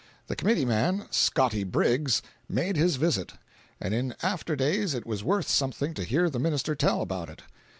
The committeeman, "Scotty" Briggs, made his visit; and in after days it was worth something to hear the minister tell about it.